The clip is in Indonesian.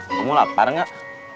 kamu lapar gak